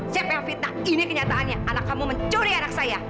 siapa fitnah ini kenyataannya anak kamu mencuri anak saya